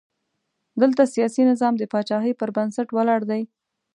دلته سیاسي نظام د پاچاهۍ پر بنسټ ولاړ دی.